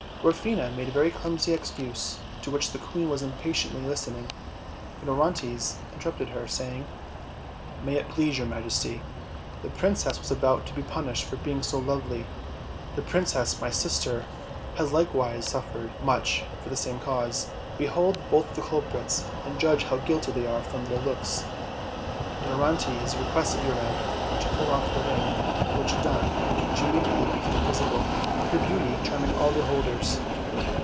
Dwarfina made a very clumsy excuse, to which the queen was impatiently listening, when Orontes interrupted her, saying: "May it please your majesty, the princess was about to be punished for being too lovely; the princess, my sister, has likewise suffered much for the same cause. Behold both the culprits and judge how guilty they are from their looks." Then Orontes requested Euryanthe to pull off her ring, which done, she immediately became visible, her beauty charming all beholders.